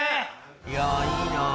いやいいな。